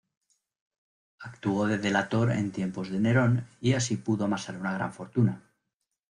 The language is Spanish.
Actuó de delator en tiempos de Nerón y así pudo amasar una gran fortuna.